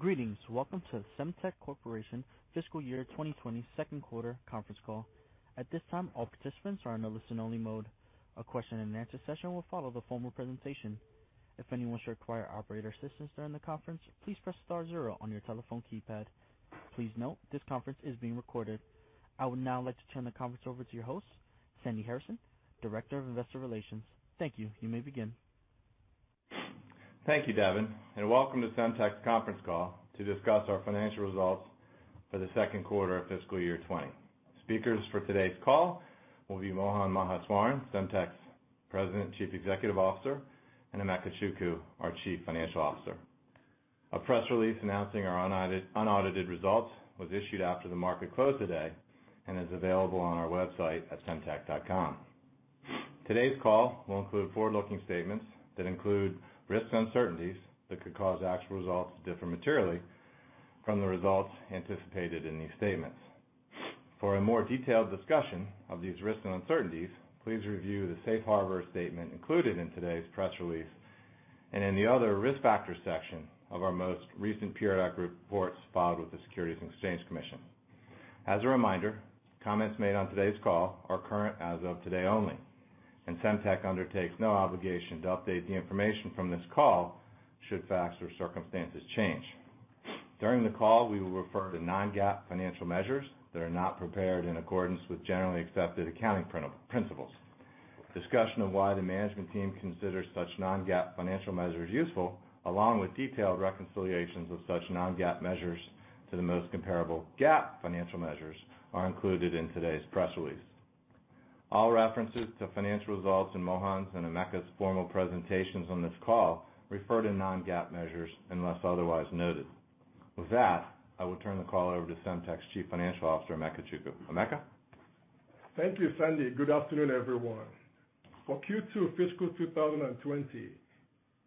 Greetings. Welcome to the Semtech Corporation Fiscal Year 2020 second quarter conference call. At this time, all participants are in listen only mode. A question and answer session will follow the formal presentation. If anyone should require operator assistance during the conference, please press star zero on your telephone keypad. Please note this conference is being recorded. I would now like to turn the conference over to your host, Sandy Harrison, Director of Investor Relations. Thank you. You may begin. Thank you, Devin, and welcome to Semtech's conference call to discuss our financial results for the second quarter of fiscal year 2020. Speakers for today's call will be Mohan Maheswaran, Semtech's President, Chief Executive Officer, and Emeka Chukwu, our Chief Financial Officer. A press release announcing our unaudited results was issued after the market closed today and is available on our website at semtech.com. Today's call will include forward-looking statements that include risks and uncertainties that could cause actual results to differ materially from the results anticipated in these statements. For a more detailed discussion of these risks and uncertainties, please review the safe harbor statement included in today's press release and in the Other Risk Factors section of our most recent periodic reports filed with the Securities and Exchange Commission. As a reminder, comments made on today's call are current as of today only. Semtech undertakes no obligation to update the information from this call should facts or circumstances change. During the call, we will refer to non-GAAP financial measures that are not prepared in accordance with generally accepted accounting principles. Discussion of why the management team considers such non-GAAP financial measures useful, along with detailed reconciliations of such non-GAAP measures to the most comparable GAAP financial measures, are included in today's press release. All references to financial results in Mohan's and Emeka's formal presentations on this call refer to non-GAAP measures unless otherwise noted. With that, I will turn the call over to Semtech's Chief Financial Officer, Emeka Chukwu. Emeka? Thank you, Sandy. Good afternoon, everyone. For Q2 fiscal 2020,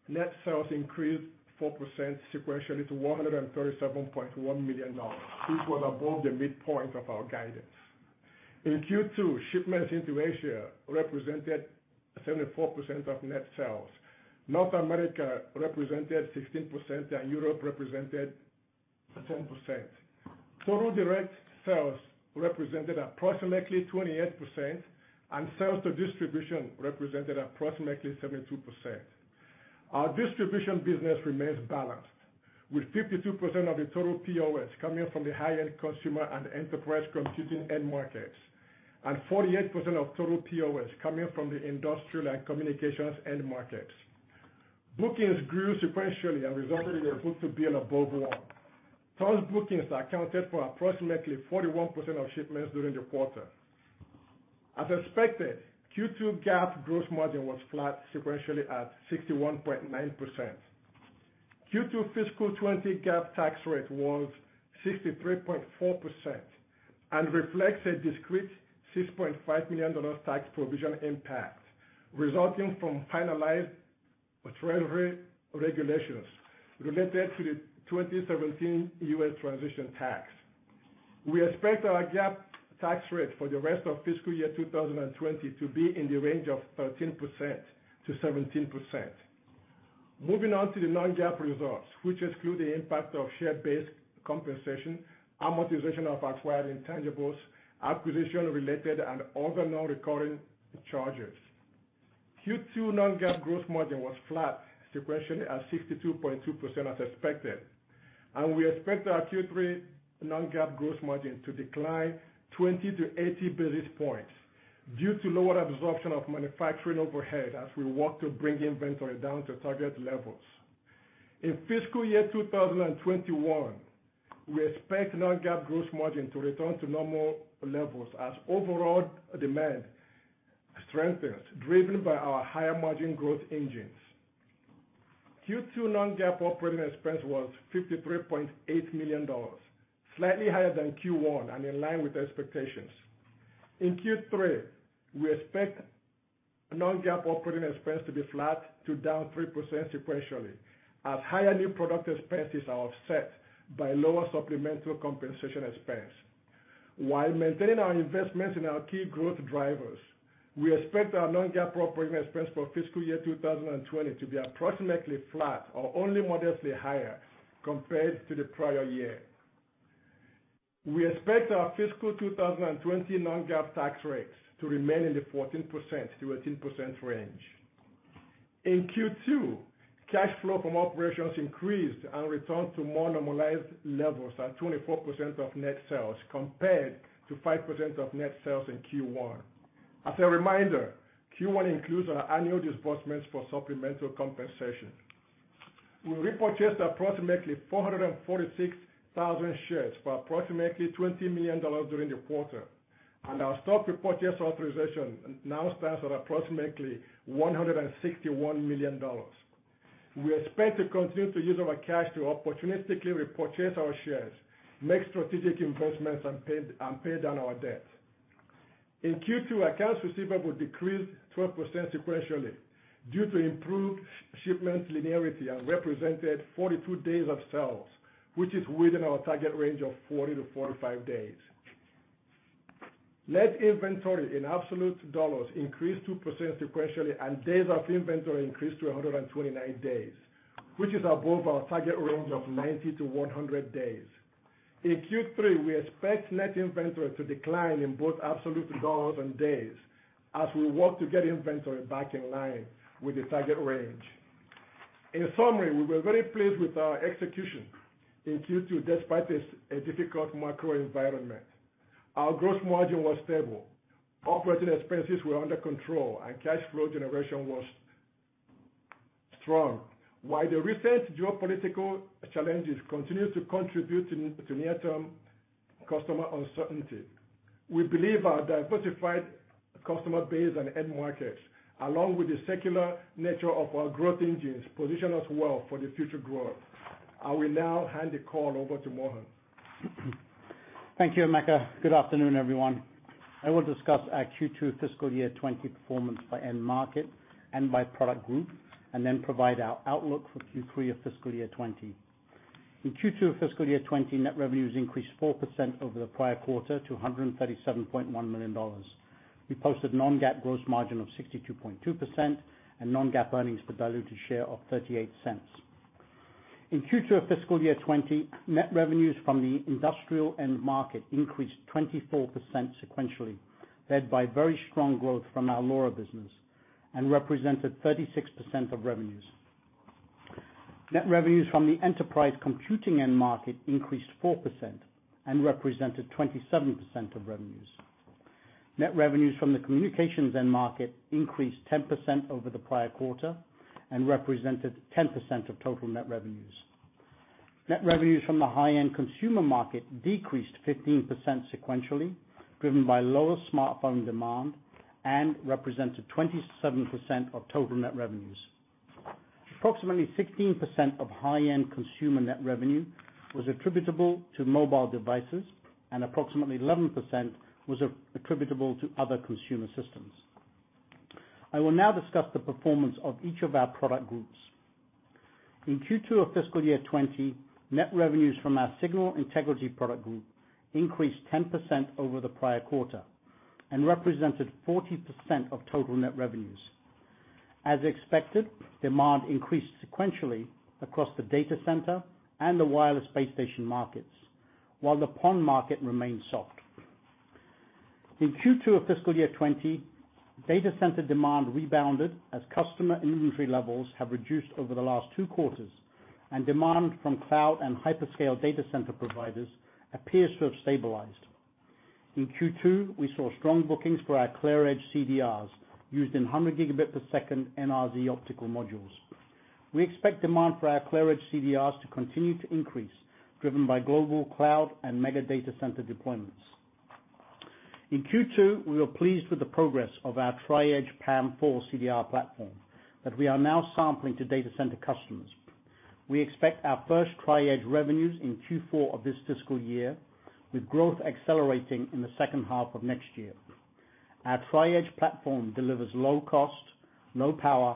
net sales increased 4% sequentially to $137.1 million. This was above the midpoint of our guidance. In Q2, shipments into Asia represented 74% of net sales. North America represented 16%, and Europe represented 10%. Total direct sales represented approximately 28%, and sales to distribution represented approximately 72%. Our distribution business remains balanced, with 52% of the total POS coming from the high-end consumer and enterprise computing end markets, and 48% of total POS coming from the industrial and communications end markets. Bookings grew sequentially and resulted in a book-to-bill above one. Total bookings accounted for approximately 41% of shipments during the quarter. As expected, Q2 GAAP gross margin was flat sequentially at 61.9%. Q2 fiscal 2020 GAAP tax rate was 63.4% and reflects a discrete $6.5 million tax provision impact resulting from finalized treasury regulations related to the 2017 U.S. transition tax. We expect our GAAP tax rate for the rest of fiscal year 2020 to be in the range of 13%-17%. Moving on to the non-GAAP results, which exclude the impact of share-based compensation, amortization of acquired intangibles, acquisition-related, and other non-recurring charges. Q2 non-GAAP gross margin was flat sequentially at 62.2% as expected, and we expect our Q3 non-GAAP gross margin to decline 20-80 basis points due to lower absorption of manufacturing overhead as we work to bring inventory down to target levels. In fiscal year 2021, we expect non-GAAP gross margin to return to normal levels as overall demand strengthens, driven by our higher margin growth engines. Q2 non-GAAP operating expense was $53.8 million, slightly higher than Q1 and in line with expectations. In Q3, we expect non-GAAP operating expense to be flat to down 3% sequentially as higher new product expenses are offset by lower supplemental compensation expense. While maintaining our investment in our key growth drivers, we expect our non-GAAP operating expense for fiscal year 2020 to be approximately flat or only modestly higher compared to the prior year. We expect our fiscal 2020 non-GAAP tax rates to remain in the 14%-18% range. In Q2, cash flow from operations increased and returned to more normalized levels at 24% of net sales, compared to 5% of net sales in Q1. As a reminder, Q1 includes our annual disbursements for supplemental compensation. We repurchased approximately 446,000 shares for approximately $20 million during the quarter, and our stock repurchase authorization now stands at approximately $161 million. We expect to continue to use our cash to opportunistically repurchase our shares, make strategic investments, and pay down our debt. In Q2, accounts receivable decreased 12% sequentially due to improved shipment linearity and represented 42 days of sales, which is within our target range of 40-45 days. Net inventory in absolute dollars increased 2% sequentially, and days of inventory increased to 129 days, which is above our target range of 90-100 days. In Q3, we expect net inventory to decline in both absolute dollars and days as we work to get inventory back in line with the target range. In summary, we were very pleased with our execution in Q2, despite this, a difficult macro environment. Our gross margin was stable. Operating expenses were under control, and cash flow generation was strong. While the recent geopolitical challenges continue to contribute to near-term customer uncertainty, we believe our diversified customer base and end markets, along with the secular nature of our growth engines, position us well for the future growth. I will now hand the call over to Mohan. Thank you, Emeka. Good afternoon, everyone. I will discuss our Q2 fiscal year 20 performance by end market and by product group, and then provide our outlook for Q3 of fiscal year 20. In Q2 of fiscal year 20, net revenues increased 4% over the prior quarter to $137.1 million. We posted non-GAAP gross margin of 62.2% and non-GAAP earnings per diluted share of $0.38. In Q2 of fiscal year 20, net revenues from the industrial end market increased 24% sequentially, led by very strong growth from our LoRa business, and represented 36% of revenues. Net revenues from the enterprise computing end market increased 4% and represented 27% of revenues. Net revenues from the communications end market increased 10% over the prior quarter and represented 10% of total net revenues. Net revenues from the high-end consumer market decreased 15% sequentially, driven by lower smartphone demand and represented 27% of total net revenues. Approximately 16% of high-end consumer net revenue was attributable to mobile devices, and approximately 11% was attributable to other consumer systems. I will now discuss the performance of each of our product groups. In Q2 of fiscal year 2020, net revenues from our Signal Integrity Products group increased 10% over the prior quarter and represented 40% of total net revenues. As expected, demand increased sequentially across the data center and the wireless base station markets, while the PON market remained soft. In Q2 of fiscal year 2020, data center demand rebounded as customer inventory levels have reduced over the last two quarters, and demand from cloud and hyperscale data center providers appears to have stabilized. In Q2, we saw strong bookings for our ClearEdge CDRs used in 100 gigabit per second NRZ optical modules. We expect demand for our ClearEdge CDRs to continue to increase, driven by global cloud and mega data center deployments. In Q2, we were pleased with the progress of our Tri-Edge PAM4 CDR platform that we are now sampling to data center customers. We expect our first Tri-Edge revenues in Q4 of this fiscal year, with growth accelerating in the second half of next year. Our Tri-Edge platform delivers low cost, low power,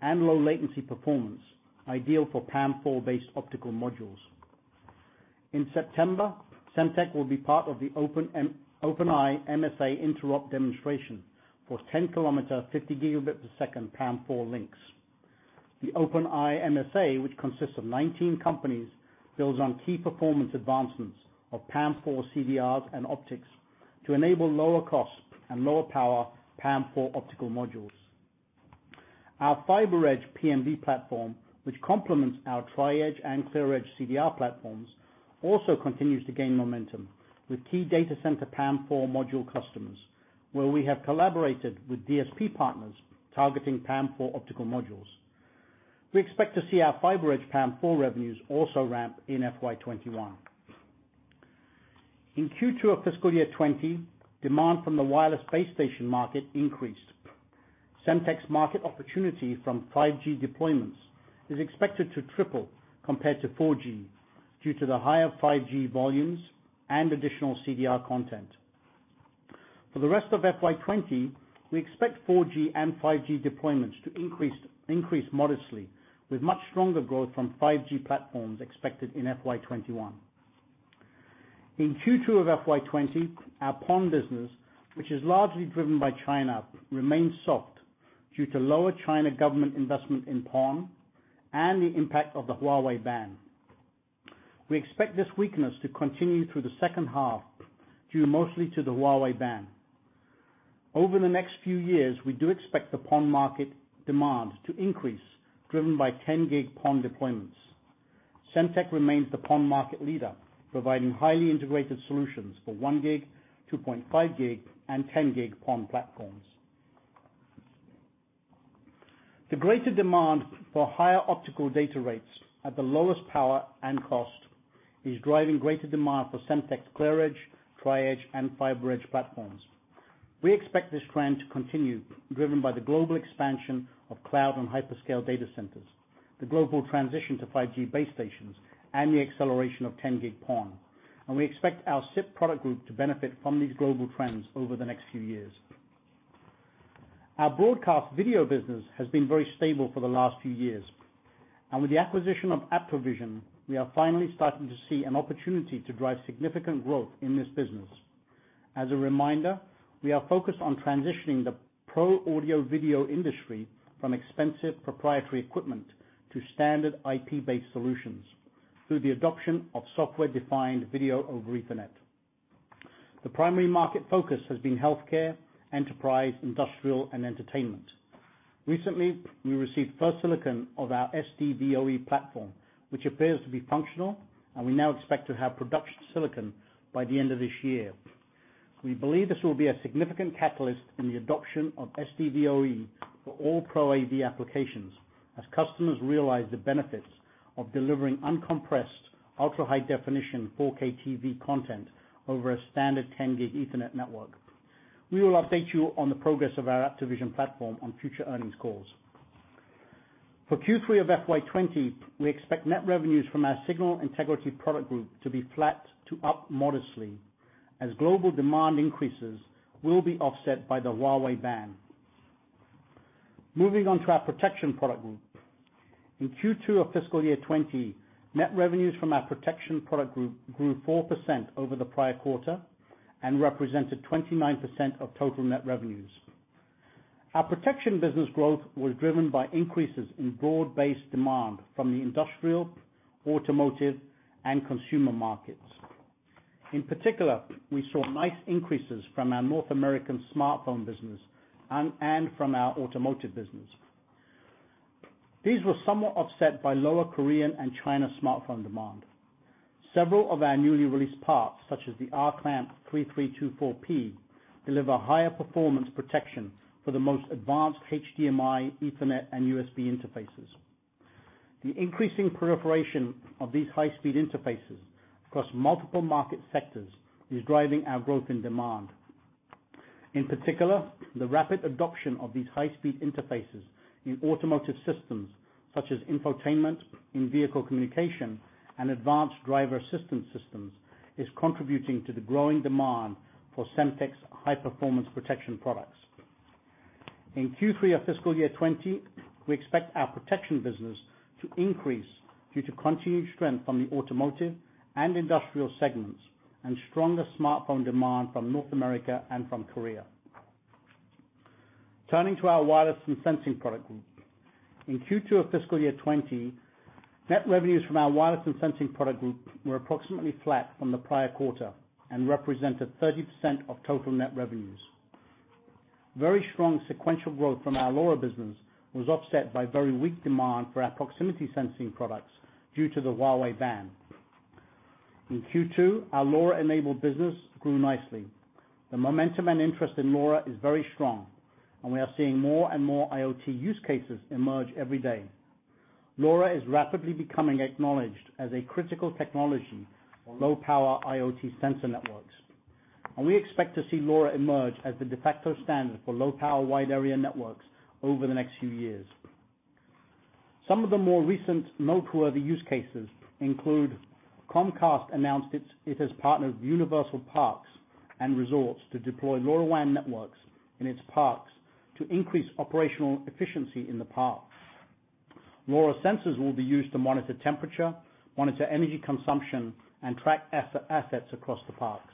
and low latency performance ideal for PAM4-based optical modules. In September, Semtech will be part of the Open Eye MSA Interop demonstration for 10-kilometer, 50 gigabit per second PAM4 links. The Open Eye MSA, which consists of 19 companies, builds on key performance advancements of PAM4 CDRs and optics to enable lower cost and lower power PAM4 optical modules. Our FiberEdge PMD platform, which complements our Tri-Edge and ClearEdge CDR platforms, also continues to gain momentum with key data center PAM4 module customers, where we have collaborated with DSP partners targeting PAM4 optical modules. We expect to see our FiberEdge PAM4 revenues also ramp in FY 2021. In Q2 of fiscal year 2020, demand from the wireless base station market increased. Semtech's market opportunity from 5G deployments is expected to triple compared to 4G due to the higher 5G volumes and additional CDR content. For the rest of FY 2020, we expect 4G and 5G deployments to increase modestly with much stronger growth from 5G platforms expected in FY 2021. In Q2 of FY 2020, our PON business, which is largely driven by China, remains soft due to lower China government investment in PON and the impact of the Huawei ban. We expect this weakness to continue through the second half, due mostly to the Huawei ban. Over the next few years, we do expect the PON market demand to increase, driven by 10 gig PON deployments. Semtech remains the PON market leader, providing highly integrated solutions for 1 gig, 2.5 gig, and 10 gig PON platforms. The greater demand for higher optical data rates at the lowest power and cost is driving greater demand for Semtech's ClearEdge, Tri-Edge, and FiberEdge platforms. We expect this trend to continue, driven by the global expansion of cloud and hyperscale data centers, the global transition to 5G base stations, and the acceleration of 10 gig PON. We expect our SIP product group to benefit from these global trends over the next few years. Our broadcast video business has been very stable for the last few years. With the acquisition of AptoVision, we are finally starting to see an opportunity to drive significant growth in this business. As a reminder, we are focused on transitioning the pro audio-video industry from expensive proprietary equipment to standard IP-based solutions through the adoption of Software Defined Video over Ethernet. The primary market focus has been healthcare, enterprise, industrial, and entertainment. Recently, we received first silicon of our SDVoE platform, which appears to be functional, and we now expect to have production silicon by the end of this year. We believe this will be a significant catalyst in the adoption of SDVoE for all Pro AV applications as customers realize the benefits of delivering uncompressed ultra-high definition 4K TV content over a standard 10G Ethernet network. We will update you on the progress of our AptoVision platform on future earnings calls. For Q3 of FY 2020, we expect net revenues from our Signal Integrity Products group to be flat to up modestly, as global demand increases will be offset by the Huawei ban. Moving on to our protection product group. In Q2 of fiscal year 2020, net revenues from our protection product group grew 4% over the prior quarter and represented 29% of total net revenues. Our protection business growth was driven by increases in broad-based demand from the industrial, automotive, and consumer markets. In particular, we saw nice increases from our North American smartphone business and from our automotive business. These were somewhat offset by lower Korean and Chinese smartphone demand. Several of our newly released parts, such as the RClamp3324P, deliver higher performance protection for the most advanced HDMI, Ethernet, and USB interfaces. The increasing proliferation of these high-speed interfaces across multiple market sectors is driving our growth and demand. In particular, the rapid adoption of these high-speed interfaces in automotive systems such as infotainment in vehicle communication and advanced driver assistance systems, is contributing to the growing demand for Semtech's high-performance protection products. In Q3 of fiscal year 2020, we expect our protection business to increase due to continued strength from the automotive and industrial segments and stronger smartphone demand from North America and from Korea. Turning to our wireless and sensing product group. In Q2 of fiscal year 2020, net revenues from our wireless and sensing product group were approximately flat from the prior quarter and represented 30% of total net revenues. Very strong sequential growth from our LoRa business was offset by very weak demand for our proximity sensing products due to the Huawei ban. In Q2, our LoRa-enabled business grew nicely. The momentum and interest in LoRa is very strong. We are seeing more and more IoT use cases emerge every day. LoRa is rapidly becoming acknowledged as a critical technology for low-power IoT sensor networks. We expect to see LoRa emerge as the de facto standard for low-power wide area networks over the next few years. Some of the more recent noteworthy use cases include Comcast announced it has partnered with Universal Parks and Resorts to deploy LoRaWAN networks in its parks to increase operational efficiency in the parks. LoRa sensors will be used to monitor temperature, monitor energy consumption, and track assets across the parks.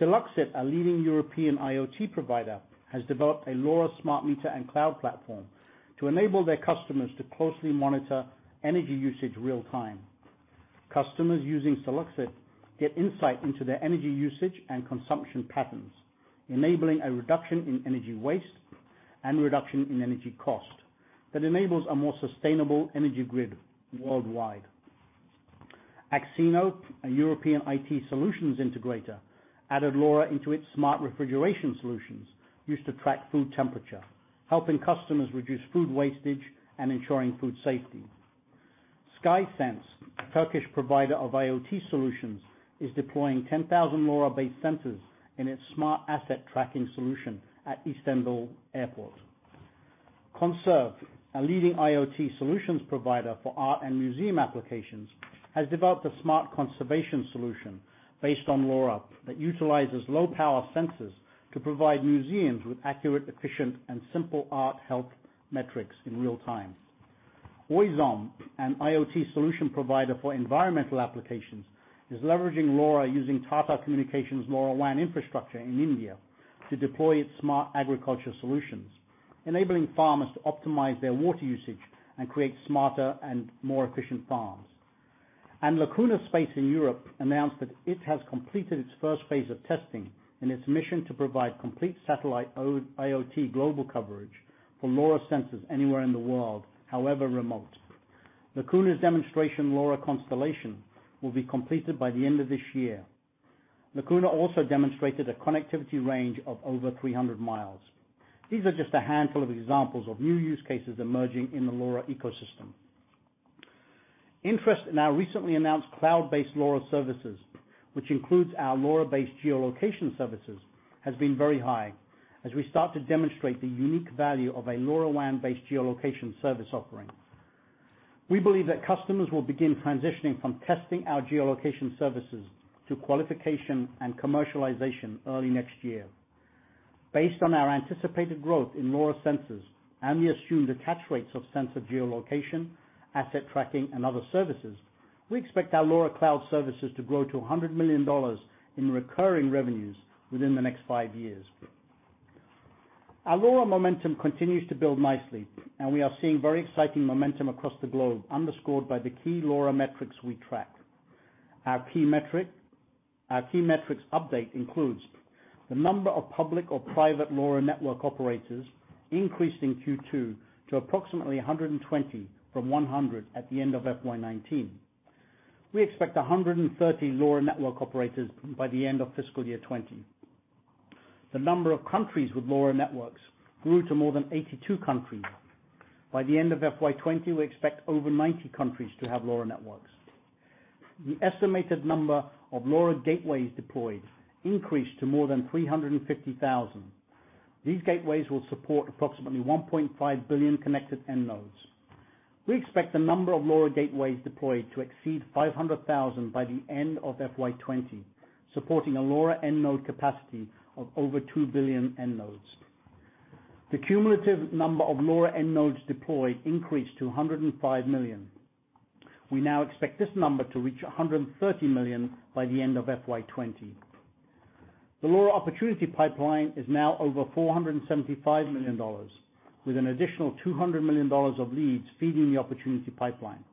Seluxit, a leading European IoT provider, has developed a LoRa smart meter and cloud platform to enable their customers to closely monitor energy usage in real time. Customers using Seluxit get insight into their energy usage and consumption patterns, enabling a reduction in energy waste and reduction in energy cost that enables a more sustainable energy grid worldwide. Axino, a European IT solutions integrator, added LoRa into its smart refrigeration solutions used to track food temperature, helping customers reduce food wastage and ensuring food safety. Skysense, a Turkish provider of IoT solutions, is deploying 10,000 LoRa-based sensors in its smart asset tracking solution at Istanbul Airport. Conserv, a leading IoT solutions provider for art and museum applications, has developed a smart conservation solution based on LoRa that utilizes low-power sensors to provide museums with accurate, efficient, and simple art health metrics in real time. Oizom, an IoT solution provider for environmental applications, is leveraging LoRa using Tata Communications LoRaWAN infrastructure in India to deploy its smart agriculture solutions, enabling farmers to optimize their water usage and create smarter and more efficient farms. Lacuna Space in Europe announced that it has completed its first phase of testing in its mission to provide complete satellite IoT global coverage for LoRa sensors anywhere in the world, however remote. Lacuna's demonstration LoRa constellation will be completed by the end of this year. Lacuna also demonstrated a connectivity range of over 300 miles. These are just a handful of examples of new use cases emerging in the LoRa ecosystem. Interest in our recently announced cloud-based LoRa services, which includes our LoRa-based geolocation services, has been very high as we start to demonstrate the unique value of a LoRaWAN-based geolocation service offering. We believe that customers will begin transitioning from testing our geolocation services to qualification and commercialization early next year. Based on our anticipated growth in LoRa sensors and the assumed attach rates of sensor geolocation, asset tracking and other services, we expect our LoRa cloud services to grow to $100 million in recurring revenues within the next five years. Our LoRa momentum continues to build nicely, and we are seeing very exciting momentum across the globe, underscored by the key LoRa metrics we track. Our key metrics update includes the number of public or private LoRa network operators increased in Q2 to approximately 120 from 100 at the end of FY 2019. We expect 130 LoRa network operators by the end of fiscal year 2020. The number of countries with LoRa networks grew to more than 82 countries. By the end of FY 2020, we expect over 90 countries to have LoRa networks. The estimated number of LoRa gateways deployed increased to more than 350,000. These gateways will support approximately 1.5 billion connected end nodes. We expect the number of LoRa gateways deployed to exceed 500,000 by the end of FY 2020, supporting a LoRa end node capacity of over 2 billion end nodes. The cumulative number of LoRa end nodes deployed increased to 105 million. We now expect this number to reach 130 million by the end of FY 2020. The LoRa opportunity pipeline is now over $475 million, with an additional $200 million of leads feeding the opportunity pipeline.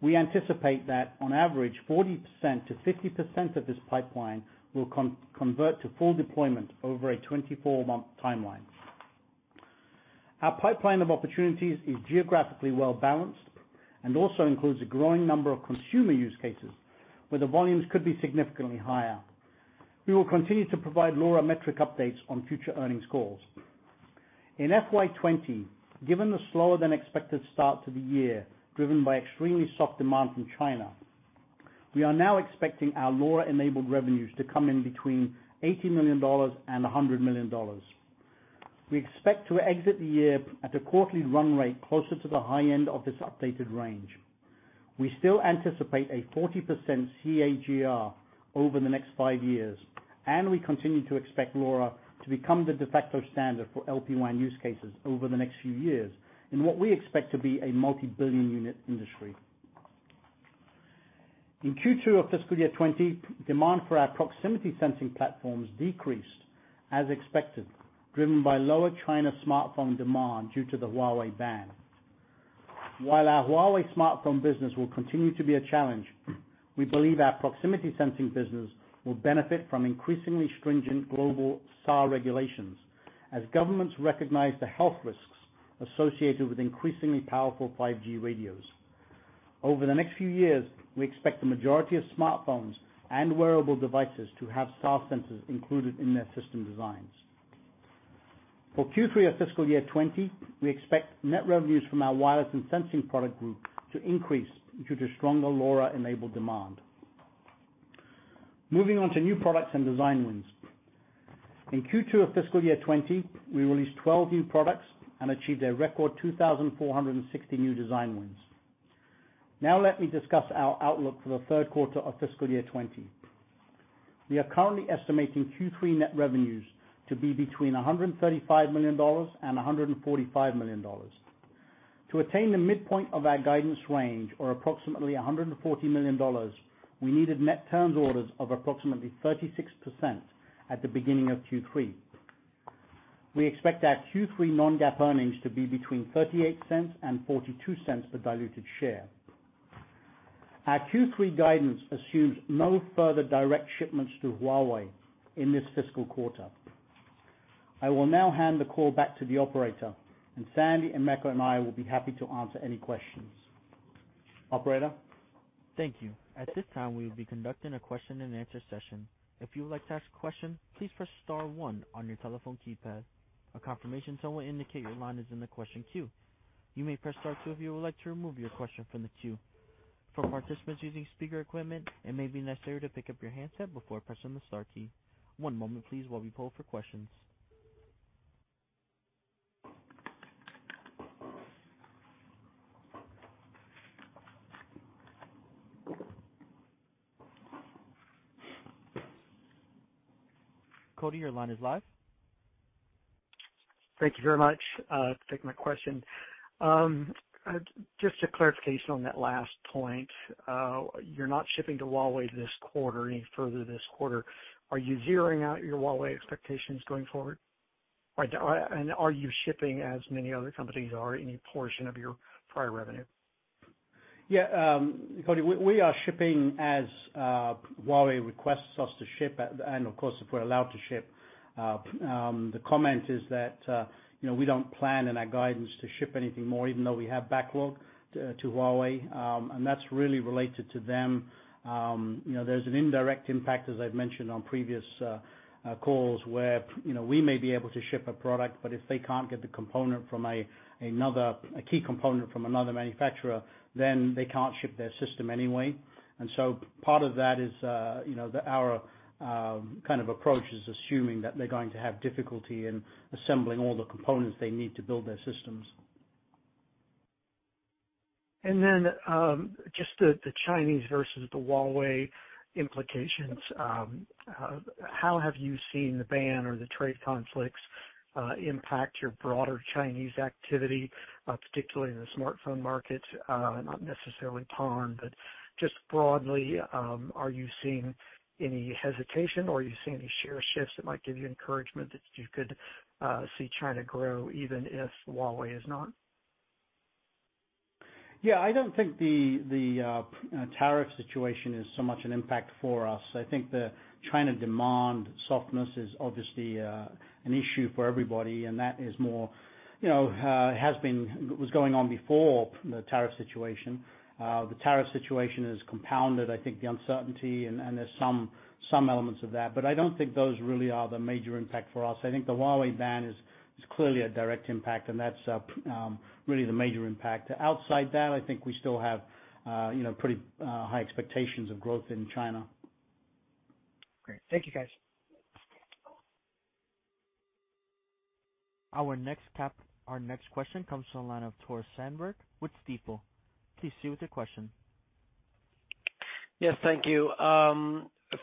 We anticipate that on average, 40%-50% of this pipeline will convert to full deployment over a 24-month timeline. Our pipeline of opportunities is geographically well-balanced and also includes a growing number of consumer use cases, where the volumes could be significantly higher. We will continue to provide LoRa metric updates on future earnings calls. In FY 2020, given the slower than expected start to the year driven by extremely soft demand from China, we are now expecting our LoRa-enabled revenues to come in between $80 million and $100 million. We expect to exit the year at a quarterly run rate closer to the high end of this updated range. We still anticipate a 40% CAGR over the next five years, and we continue to expect LoRa to become the de facto standard for LPWAN use cases over the next few years in what we expect to be a multi-billion unit industry. In Q2 of fiscal year 2020, demand for our proximity sensing platforms decreased as expected, driven by lower China smartphone demand due to the Huawei ban. While our Huawei smartphone business will continue to be a challenge, we believe our proximity sensing business will benefit from increasingly stringent global SAR regulations as governments recognize the health risks associated with increasingly powerful 5G radios. Over the next few years, we expect the majority of smartphones and wearable devices to have SAR sensors included in their system designs. For Q3 of fiscal year 2020, we expect net revenues from our wireless and sensing product group to increase due to stronger LoRa-enabled demand. Moving on to new products and design wins. In Q2 of fiscal year 2020, we released 12 new products and achieved a record 2,460 new design wins. Now let me discuss our outlook for the third quarter of fiscal year 2020. We are currently estimating Q3 net revenues to be between $135 million and $145 million. To attain the midpoint of our guidance range, or approximately $140 million, we needed net terms orders of approximately 36% at the beginning of Q3. We expect our Q3 non-GAAP earnings to be between $0.38 and $0.42 per diluted share. Our Q3 guidance assumes no further direct shipments to Huawei in this fiscal quarter. I will now hand the call back to the operator, and Sandy and Emeka and I will be happy to answer any questions. Operator? Thank you. At this time, we will be conducting a question and answer session. If you would like to ask a question, please press star one on your telephone keypad. A confirmation tone will indicate your line is in the question queue. You may press star two if you would like to remove your question from the queue. For participants using speaker equipment, it may be necessary to pick up your handset before pressing the star key. One moment please, while we poll for questions. Cody, your line is live. Thank you very much. Take my question. Just a clarification on that last point. You're not shipping to Huawei this quarter, any further this quarter. Are you zeroing out your Huawei expectations going forward? Are you shipping, as many other companies are, any portion of your prior revenue? Cody, we are shipping as Huawei requests us to ship and of course, if we're allowed to ship. The comment is that we don't plan in our guidance to ship anything more, even though we have backlog to Huawei, and that's really related to them. There's an indirect impact, as I've mentioned on previous calls, where we may be able to ship a product, but if they can't get a key component from another manufacturer, then they can't ship their system anyway. Part of that is our kind of approach is assuming that they're going to have difficulty in assembling all the components they need to build their systems. Just the Chinese versus the Huawei implications. How have you seen the ban or the trade conflicts impact your broader Chinese activity, particularly in the smartphone market? Not necessarily PON, but just broadly, are you seeing any hesitation or are you seeing any share shifts that might give you encouragement that you could see China grow even if Huawei is not? I don't think the tariff situation is so much an impact for us. I think the China demand softness is obviously an issue for everybody, and was going on before the tariff situation. The tariff situation has compounded, I think, the uncertainty, and there's some elements of that. I don't think those really are the major impact for us. I think the Huawei ban is clearly a direct impact, and that's really the major impact. Outside that, I think we still have pretty high expectations of growth in China. Great. Thank you, guys. Our next question comes from the line of Tore Svanberg with Stifel. Please proceed with your question. Yes, thank you.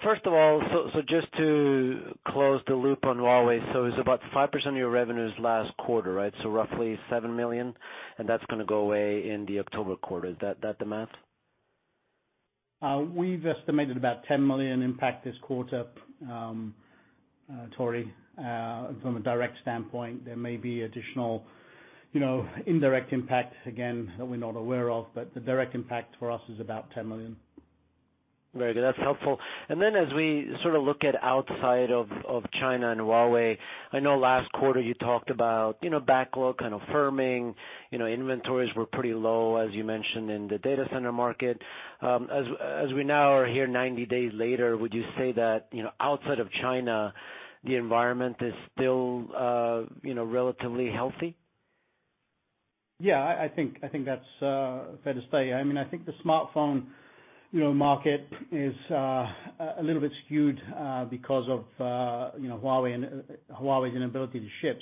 First of all, just to close the loop on Huawei, it's about 5% of your revenues last quarter, right? Roughly $7 million, and that's going to go away in the October quarter. Is that the math? We've estimated about $10 million impact this quarter, Tore, from a direct standpoint. There may be additional indirect impact, again, that we're not aware of, but the direct impact for us is about $10 million. Very good. That's helpful. As we sort of look at outside of China and Huawei, I know last quarter you talked about backlog kind of firming. Inventories were pretty low, as you mentioned, in the data center market. As we now are here 90 days later, would you say that outside of China, the environment is still relatively healthy? Yeah, I think that's fair to say. I think the smartphone market is a little bit skewed because of Huawei's inability to ship.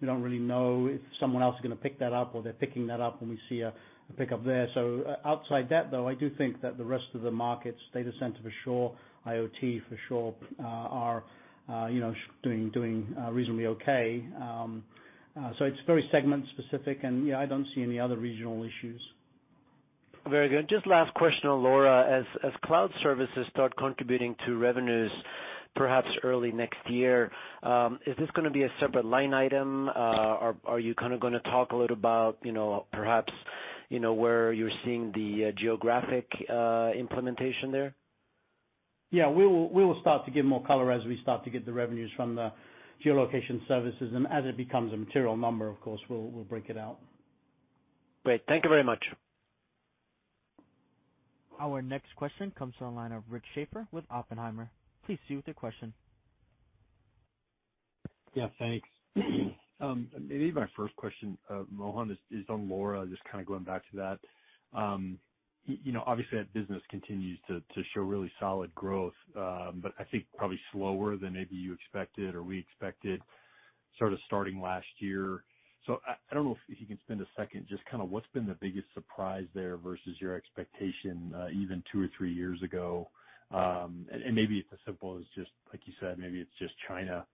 We don't really know if someone else is going to pick that up or they're picking that up when we see a pickup there. Outside that, though, I do think that the rest of the markets, data center for sure, IoT for sure, are doing reasonably okay. It's very segment specific and yeah, I don't see any other regional issues. Very good. Just last question on LoRa. As cloud services start contributing to revenues, perhaps early next year, is this going to be a separate line item? Are you kind of going to talk a little about perhaps, where you're seeing the geographic implementation there? Yeah, we will start to give more color as we start to get the revenues from the geolocation services. As it becomes a material number, of course, we'll break it out. Great. Thank you very much. Our next question comes to the line of Rick Schafer with Oppenheimer. Please proceed with your question. Yeah, thanks. Maybe my first question, Mohan, is on LoRa, just kind of going back to that. Obviously, that business continues to show really solid growth, but I think probably slower than maybe you expected or we expected sort of starting last year. I don't know if you can spend a second just kind of what's been the biggest surprise there versus your expectation, even two or three years ago. Maybe it's as simple as just like you said, maybe it's just China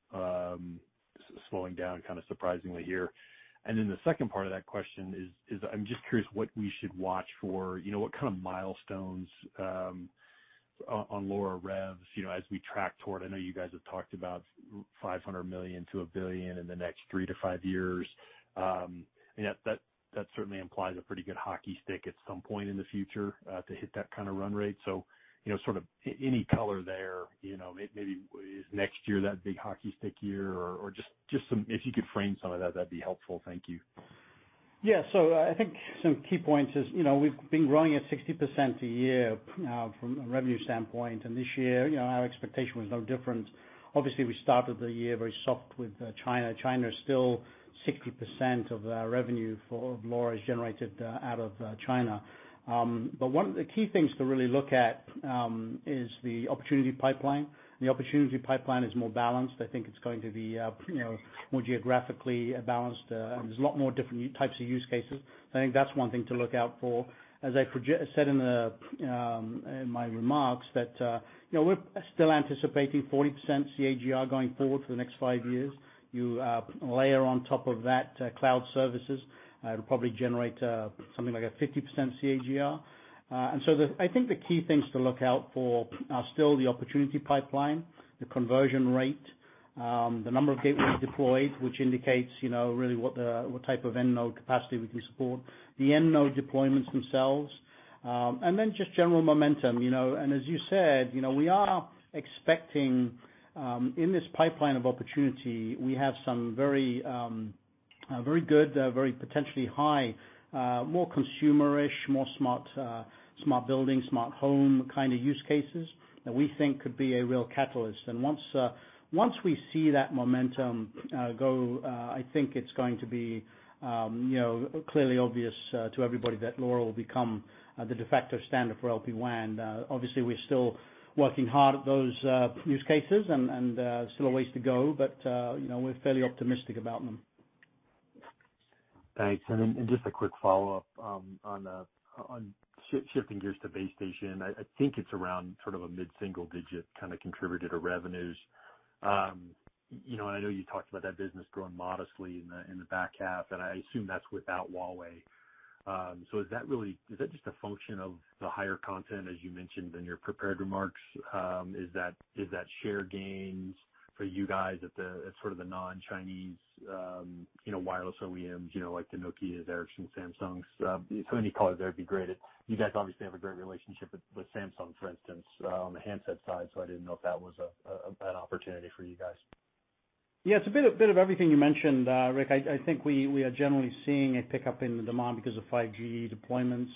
slowing down kind of surprisingly here. The second part of that question is, I'm just curious what we should watch for, what kind of milestones on LoRa revs, as we track toward, I know you guys have talked about $500 million-$1 billion in the next three to five years. That certainly implies a pretty good hockey stick at some point in the future to hit that kind of run rate. Sort of any color there, maybe is next year that big hockey stick year or if you could frame some of that would be helpful. Thank you. I think some key points is, we've been growing at 60% a year from a revenue standpoint, and this year, our expectation was no different. Obviously, we started the year very soft with China. China is still 60% of the revenue for LoRa is generated out of China. One of the key things to really look at is the opportunity pipeline. The opportunity pipeline is more balanced. I think it's going to be more geographically balanced. There's a lot more different types of use cases. I think that's one thing to look out for. As I said in my remarks that we're still anticipating 40% CAGR going forward for the next five years. You layer on top of that cloud services, it'll probably generate something like a 50% CAGR. I think the key things to look out for are still the opportunity pipeline, the conversion rate, the number of gateways deployed, which indicates really what type of end node capacity we can support, the end node deployments themselves, and then just general momentum. As you said, we are expecting in this pipeline of opportunity, we have some very good, very potentially high, more consumerish, more smart building, smart home kind of use cases that we think could be a real catalyst. Once we see that momentum go, I think it's going to be clearly obvious to everybody that LoRa will become the de facto standard for LPWAN. Obviously, we're still working hard at those use cases and still a ways to go, but we're fairly optimistic about them. Thanks. Then just a quick follow-up on shifting gears to base station. I think it's around sort of a mid-single-digit kind of contributor to revenues. I know you talked about that business growing modestly in the back half, and I assume that's without Huawei. Is that just a function of the higher content, as you mentioned in your prepared remarks? Is that share gains for you guys at sort of the non-Chinese wireless OEMs, like the Nokias, Ericksons, Samsungs? Any color there'd be great. You guys obviously have a great relationship with Samsung, for instance, on the handset side, so I didn't know if that was an opportunity for you guys. Yeah, it's a bit of everything you mentioned, Rick. I think we are generally seeing a pickup in the demand because of 5G deployments.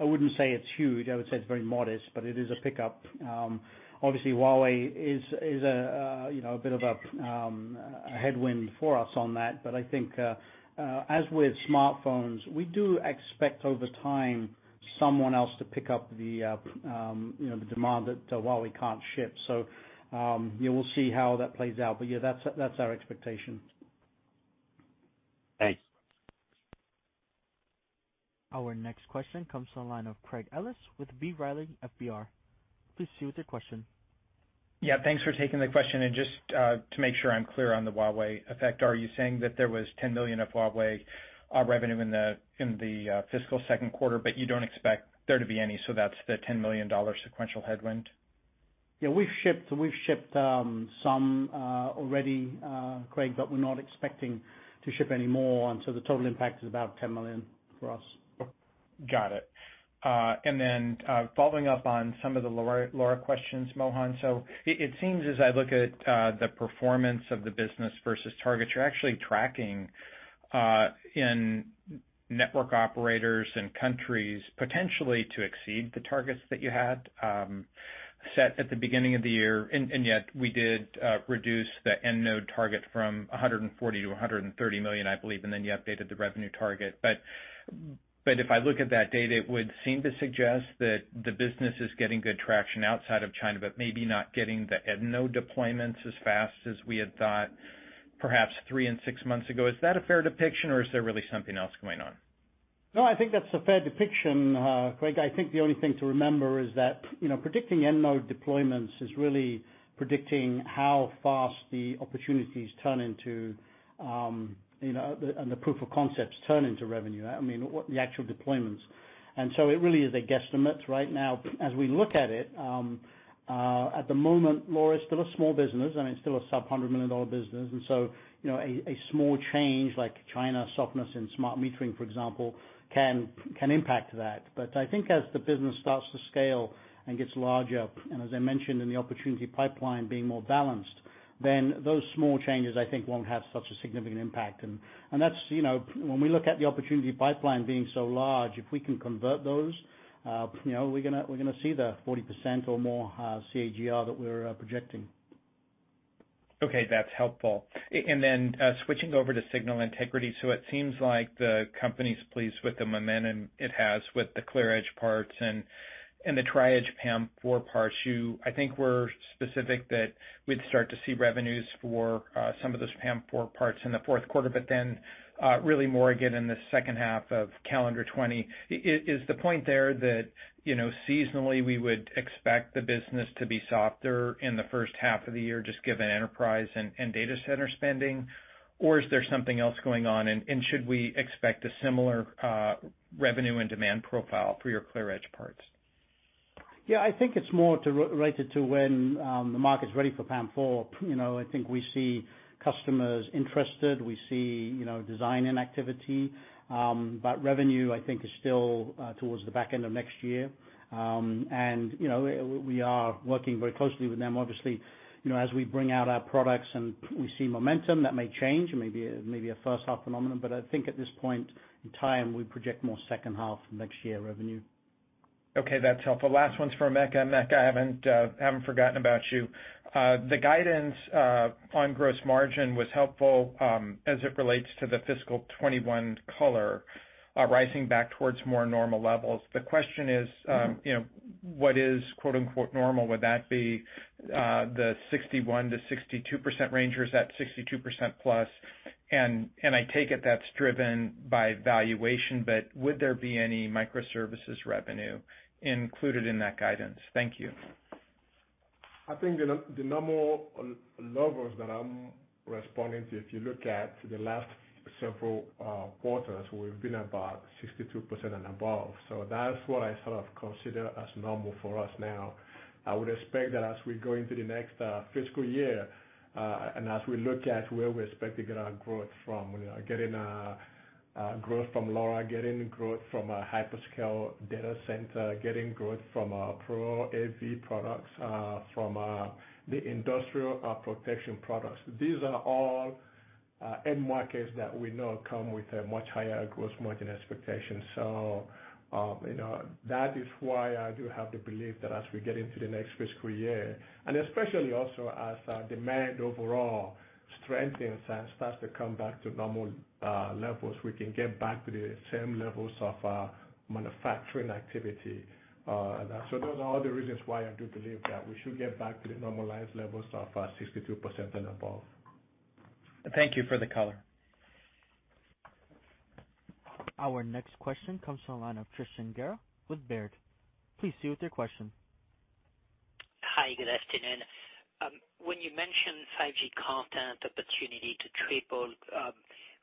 I wouldn't say it's huge. I would say it's very modest, but it is a pickup. Obviously, Huawei is a bit of a headwind for us on that. I think, as with smartphones, we do expect over time, someone else to pick up the demand that Huawei can't ship. We'll see how that plays out. Yeah, that's our expectation. Thanks. Our next question comes to the line of Craig Ellis with B. Riley FBR. Please proceed with your question. Yeah, thanks for taking the question. Just to make sure I'm clear on the Huawei effect, are you saying that there was $10 million of Huawei revenue in the fiscal second quarter, but you don't expect there to be any, so that's the $10 million sequential headwind? Yeah, we've shipped some already, Craig, but we're not expecting to ship any more, and so the total impact is about $10 million for us. Got it. Following up on some of the LoRa questions, Mohan. It seems as I look at the performance of the business versus targets, you're actually tracking in network operators and countries potentially to exceed the targets that you had set at the beginning of the year. We did reduce the end node target from 140 to 130 million, I believe, and then you updated the revenue target. If I look at that data, it would seem to suggest that the business is getting good traction outside of China, but maybe not getting the end node deployments as fast as we had thought, perhaps three and six months ago. Is that a fair depiction, or is there really something else going on? I think that's a fair depiction, Craig. I think the only thing to remember is that predicting nNode deployments is really predicting how fast the opportunities turn into, and the proof of concepts turn into revenue, I mean, what the actual deployments. It really is a guesstimate right now as we look at it. At the moment, LoRa is still a small business, and it's still a sub $100 million business. A small change like China softness in smart metering, for example, can impact that. I think as the business starts to scale and gets larger, and as I mentioned in the opportunity pipeline being more balanced, those small changes, I think, won't have such a significant impact. When we look at the opportunity pipeline being so large, if we can convert those, we're gonna see the 40% or more CAGR that we're projecting. Okay, that's helpful. Switching over to Signal Integrity. It seems like the company's pleased with the momentum it has with the ClearEdge parts and the Tri-Edge PAM4 parts. You, I think were specific that we'd start to see revenues for some of those PAM4 parts in the fourth quarter, really more again in the second half of calendar 2020. Is the point there that seasonally we would expect the business to be softer in the first half of the year, just given enterprise and data center spending? Or is there something else going on, and should we expect a similar revenue and demand profile for your ClearEdge parts? Yeah, I think it's more related to when the market's ready for PAM4. I think we see customers interested. We see design-in activity. Revenue, I think, is still towards the back end of next year. We are working very closely with them. Obviously, as we bring out our products and we see momentum, that may change. It may be a first-half phenomenon, but I think at this point in time, we project more second half next year revenue. Okay, that's helpful. Last one's for Emeka. Emeka, I haven't forgotten about you. The guidance on gross margin was helpful, as it relates to the fiscal 2021 color, rising back towards more normal levels. The question is, what is, quote unquote, normal? Would that be the 61%-62% range, or is that 62%+? I take it that's driven by valuation, but would there be any microservices revenue included in that guidance? Thank you. I think the normal levels that I'm responding to, if you look at the last several quarters, we've been about 62% and above. That's what I sort of consider as normal for us now. I would expect that as we go into the next fiscal year, and as we look at where we expect to get our growth from, getting growth from LoRa, getting growth from our hyperscale data center, getting growth from our Pro AV products, from the industrial protection products. These are all. End markets that we know come with a much higher gross margin expectation. That is why I do have the belief that as we get into the next fiscal year, and especially also as demand overall strengthens and starts to come back to normal levels, we can get back to the same levels of our manufacturing activity. Those are all the reasons why I do believe that we should get back to the normalized levels of 62% and above. Thank you for the color. Our next question comes from the line of Tristan Gerra with Baird. Please proceed with your question. Hi, good afternoon. When you mention 5G content opportunity to triple,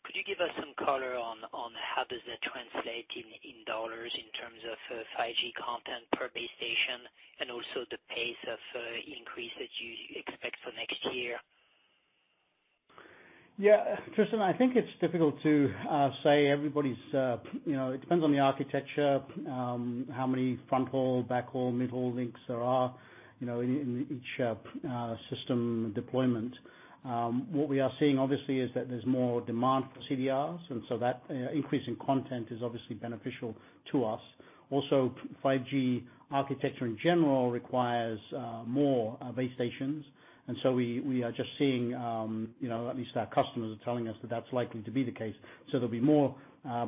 could you give us some color on how does that translate in dollars in terms of 5G content per base station, and also the pace of increase that you expect for next year? Yeah. Tristan, I think it's difficult to say. It depends on the architecture, how many front haul, back haul, middle links there are, in each system deployment. What we are seeing obviously is that there's more demand for CDRs, and so that increase in content is obviously beneficial to us. Also, 5G architecture in general requires more base stations, and so we are just seeing, at least our customers are telling us that that's likely to be the case. There'll be more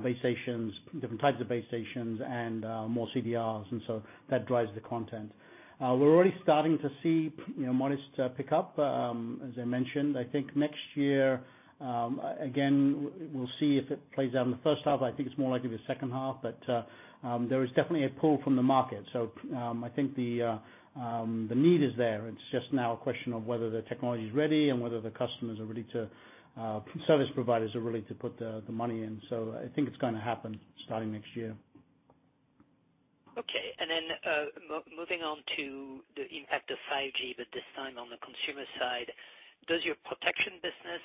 base stations, different types of base stations, and more CDRs, and so that drives the content. We're already starting to see modest pick up, as I mentioned. I think next year, again, we'll see if it plays out in the first half. I think it's more likely the second half, but there is definitely a pull from the market. I think the need is there. It's just now a question of whether the technology's ready and whether the service providers are ready to put the money in. I think it's going to happen starting next year. Okay. Moving on to the impact of 5G, but this time on the consumer side. Does your protection business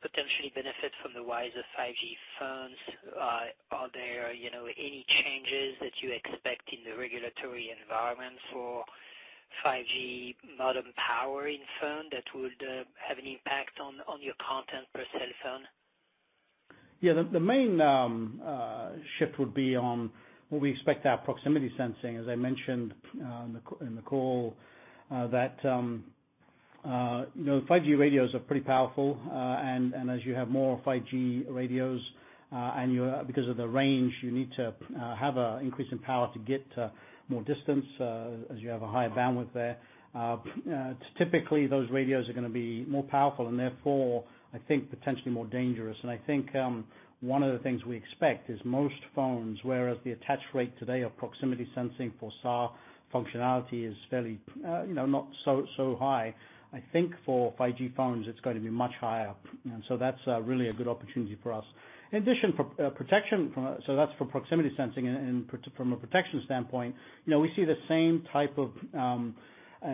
potentially benefit from the rise of 5G phones? Are there any changes that you expect in the regulatory environment for 5G modem power in phone that would have an impact on your content per cell phone? The main shift would be on what we expect our proximity sensing, as I mentioned in the call. 5G radios are pretty powerful, and as you have more 5G radios, and because of the range, you need to have an increase in power to get more distance, as you have a higher bandwidth there. Typically, those radios are gonna be more powerful and therefore, I think potentially more dangerous. I think, one of the things we expect is most phones, whereas the attach rate today of proximity sensing for SAR functionality is not so high. I think for 5G phones, it's going to be much higher. That's really a good opportunity for us. In addition, for protection, so that's for proximity sensing and from a protection standpoint, we see the same type of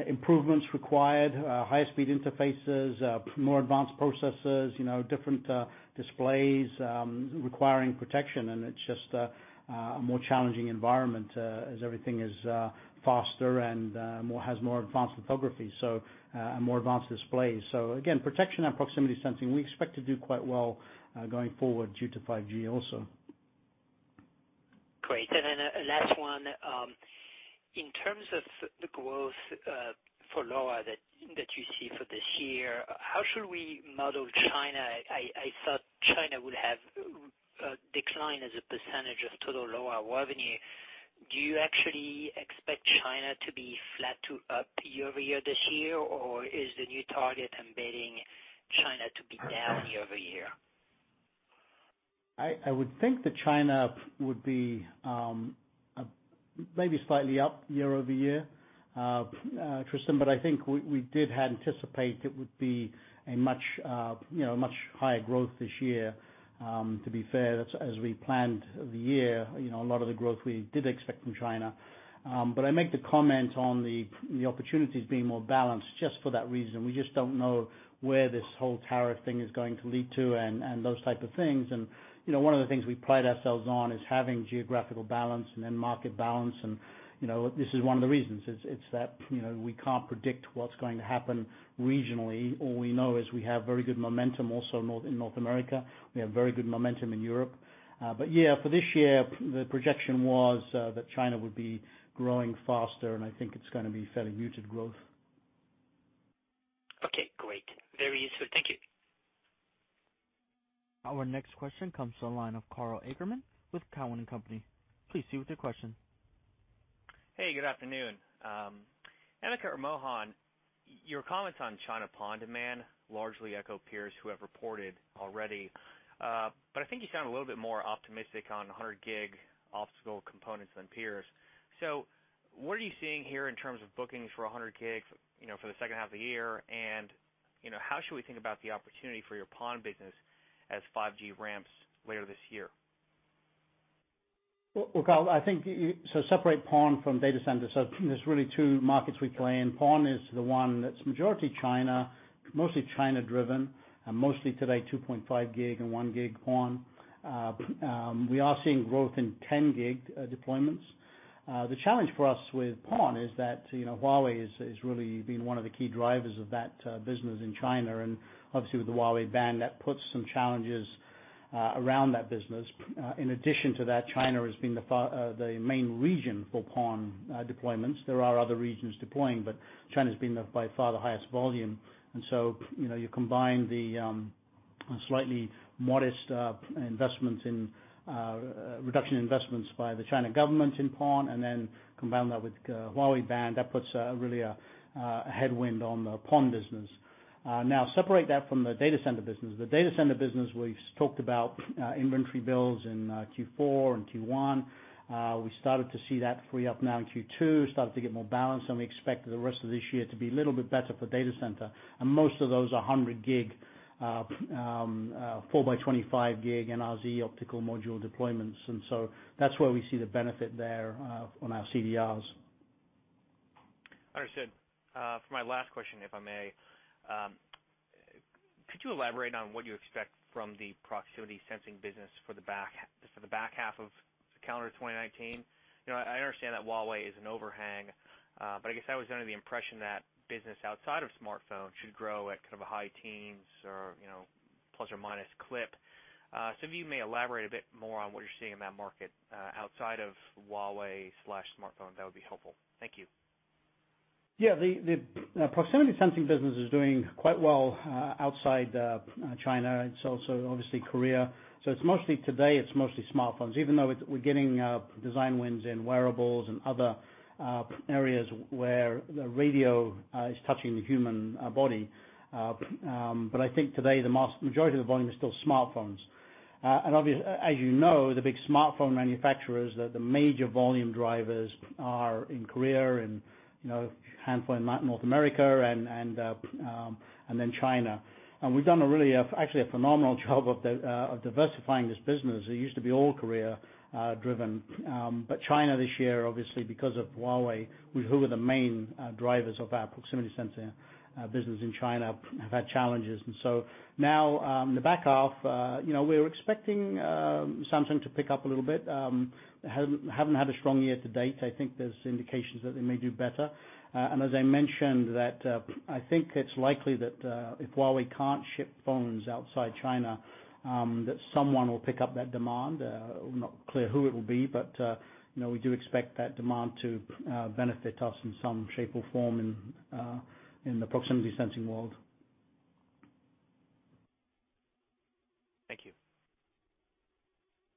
improvements required, higher speed interfaces, more advanced processors, different displays requiring protection. It's just a more challenging environment, as everything is faster and has more advanced photography, and more advanced displays. Again, protection and proximity sensing, we expect to do quite well, going forward due to 5G also. Great. Then a last one. In terms of the growth for LoRa that you see for this year, how should we model China? I thought China would have a decline as a percentage of total LoRa revenue. Do you actually expect China to be flat to up year-over-year this year, or is the new target embedding China to be down year-over-year? I would think that China would be maybe slightly up year-over-year, Tristan. I think we did anticipate it would be a much higher growth this year. To be fair, as we planned the year, a lot of the growth we did expect from China. I make the comment on the opportunities being more balanced just for that reason. We just don't know where this whole tariff thing is going to lead to and those type of things. One of the things we pride ourselves on is having geographical balance and end market balance. This is one of the reasons. It's that we can't predict what's going to happen regionally. All we know is we have very good momentum also in North America. We have very good momentum in Europe. Yeah, for this year, the projection was that China would be growing faster, and I think it's gonna be fairly muted growth. Okay, great. Very useful. Thank you. Our next question comes to the line of Karl Ackerman with Cowen and Company. Please proceed with your question. Hey, good afternoon. Emeka or Mohan, your comments on China PON demand largely echo peers who have reported already. I think you sound a little bit more optimistic on 100G optical components than peers. What are you seeing here in terms of bookings for 100G, for the second half of the year? How should we think about the opportunity for your PON business as 5G ramps later this year? Karl, separate PON from data center. There's really two markets we play in. PON is the one that's majority China, mostly China driven, and mostly today, 2.5G and 1G PON. We are seeing growth in 10G deployments. The challenge for us with PON is that Huawei has really been one of the key drivers of that business in China. Obviously with the Huawei ban, that puts some challenges around that business. In addition to that, China has been the main region for PON deployments. There are other regions deploying, but China's been by far the highest volume. You combine the slightly modest reduction investments by the China government in PON, and then combine that with Huawei ban, that puts really a headwind on the PON business. Separate that from the data center business. The data center business, we've talked about inventory builds in Q4 and Q1. We started to see that free up now in Q2, started to get more balanced, and we expect the rest of this year to be a little bit better for data center. Most of those are 100G, 4x25G NRZ optical module deployments. That's where we see the benefit there on our CDRs. Understood. For my last question, if I may, could you elaborate on what you expect from the proximity sensing business for the back half of calendar 2019? I understand that Huawei is an overhang, but I guess I was under the impression that business outside of smartphone should grow at kind of a high teens or plus or minus clip. If you may elaborate a bit more on what you're seeing in that market outside of Huawei/smartphone, that would be helpful. Thank you. Yeah. The proximity sensing business is doing quite well outside China. It is also, obviously, Korea. Today, it is mostly smartphones, even though we are getting design wins in wearables and other areas where the radio is touching the human body. I think today, the majority of the volume is still smartphones. Obviously, as you know, the big smartphone manufacturers, the major volume drivers are in Korea and a handful in North America, and then China. We have done actually a phenomenal job of diversifying this business. It used to be all Korea driven. China this year, obviously, because of Huawei, who were the main drivers of our proximity sensing business in China, have had challenges. Now, in the back half, we are expecting Samsung to pick up a little bit. They haven't had a strong year to date. I think there is indications that they may do better. As I mentioned, I think it's likely that if Huawei can't ship phones outside China, someone will pick up that demand. We're not clear who it'll be, but we do expect that demand to benefit us in some shape or form in the proximity sensing world. Thank you.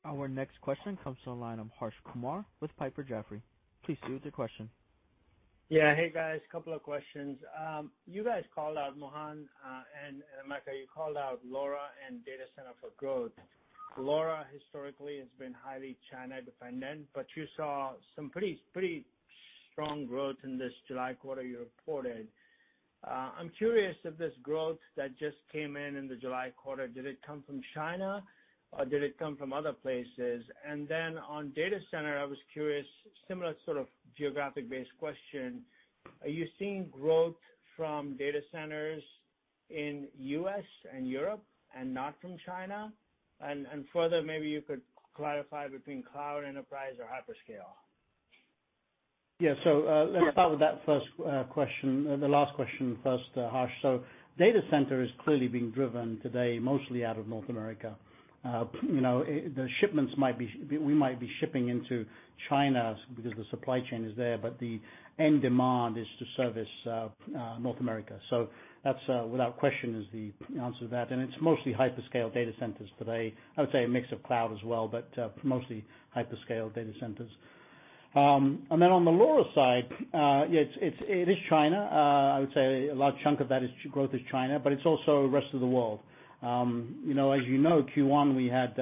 Our next question comes to the line of Harsh Kumar with Piper Sandler. Please proceed with your question. Hey, guys, couple of questions. You guys called out, Mohan and Emeka, you called out LoRa and data center for growth. LoRa historically has been highly China dependent, but you saw some pretty strong growth in this July quarter you reported. I'm curious if this growth that just came in in the July quarter, did it come from China or did it come from other places? Then on data center, I was curious, similar sort of geographic based question, are you seeing growth from data centers in U.S. and Europe and not from China? Further, maybe you could clarify between cloud, enterprise or hyperscale. Let me start with the last question first, Harsh. Data center is clearly being driven today mostly out of North America. We might be shipping into China because the supply chain is there, but the end demand is to service North America. That, without question, is the answer to that. It's mostly hyperscale data centers today. I would say a mix of cloud as well, but mostly hyperscale data centers. On the LoRa side, it is China. I would say a large chunk of that growth is China, but it's also the rest of the world. As you know, Q1, we had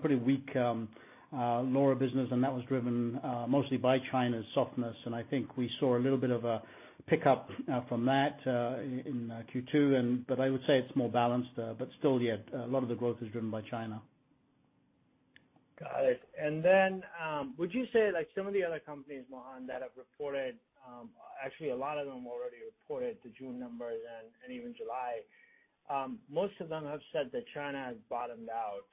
pretty weak LoRa business, and that was driven mostly by China's softness. I think we saw a little bit of a pickup from that in Q2, but I would say it's more balanced. Still yet, a lot of the growth is driven by China. Got it. Would you say, like some of the other companies, Mohan, that have reported, actually, a lot of them already reported the June numbers and even July. Most of them have said that China has bottomed out,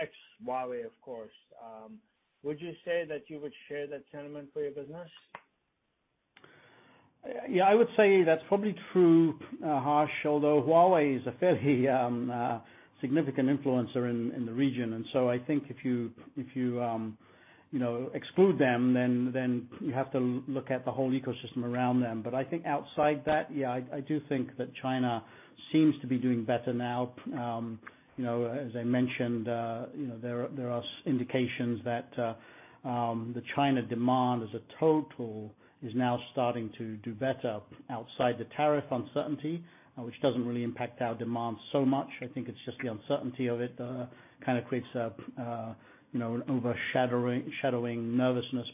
ex Huawei of course. Would you say that you would share that sentiment for your business? Yeah, I would say that's probably true, Harsh, although Huawei is a fairly significant influencer in the region, and so I think if you exclude them, then you have to look at the whole ecosystem around them. I think outside that, yeah, I do think that China seems to be doing better now. As I mentioned, there are indications that the China demand as a total is now starting to do better outside the tariff uncertainty, which doesn't really impact our demand so much. I think it's just the uncertainty of it kind of creates an overshadowing nervousness.